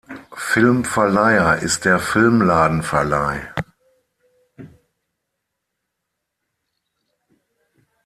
Filmverleiher ist der Filmladen-Verleih.